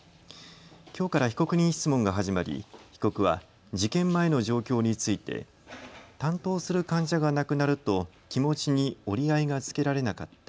きょうから被告人質問が始まり、被告は、事件前の状況について担当する患者が亡くなると気持ちに折り合いがつけられなかった。